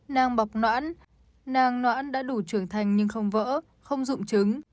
nang bọc noãn nang noãn đã đủ trưởng thành nhưng không vỡ không dụng trứng